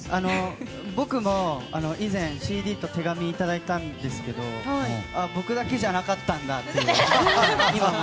僕も以前、ＣＤと手紙をいただいたんですけどあ、僕だけじゃなかったんだっていう。